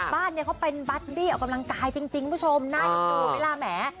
บ้านเนี่ยเค้าเป็นบาร์ดี้เอากำลังกายจริงผู้ชมน่าจะดูเวลาแหม